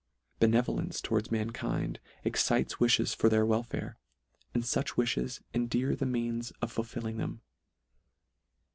Benevolence towards mankind excites wifhes for their welfare, and fuch wifhes endear the means of fulfilling them.